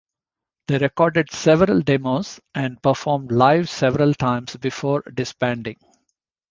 They recorded several demos and performed live several times before disbanding.